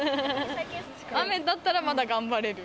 雨だったらまだ頑張れる。